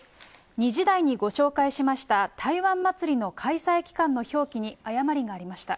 ２時台にご紹介しました台湾祭の開催期間の表記に誤りがありました。